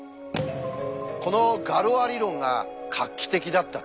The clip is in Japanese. このガロア理論が画期的だった点。